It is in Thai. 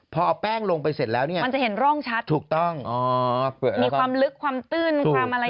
พอเอาแป้งลงไปเสร็จแล้วเนี่ยถูกต้องมีความลึกความตื้นความอะไรอย่างนี้มันจะเห็นร่องชัด